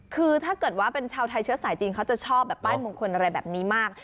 คือถ้าเกิดว่าเป็นชาวไทยเชื้อสายจีนเขาจะชอบแบบป้ายมงคลอะไรแบบนี้มาก